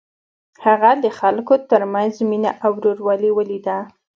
هغه د خلکو تر منځ مینه او ورورولي ولیده.